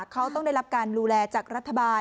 เขาต้องได้รับการดูแลจากรัฐบาล